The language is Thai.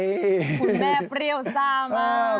คุณแม่เปรี้ยวซ่ามาก